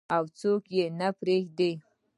او څوک نه پریږدي.